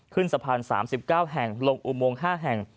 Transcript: ขึ้นสะพาน๓๙แห่งลงอุโมง๕แห่ง